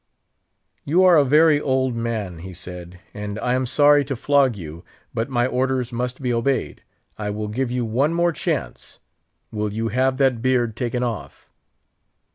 "You are a very old man," he said, "and I am sorry to flog you; but my orders must be obeyed. I will give you one more chance; will you have that beard taken off?"